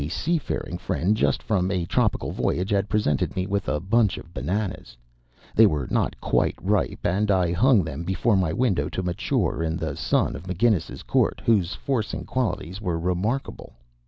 A sea faring friend just from a tropical voyage had presented me with a bunch of bananas. They were not quite ripe, and I hung them before my window to mature in the sun of McGinnis's Court, whose forcing qualities were remarkable.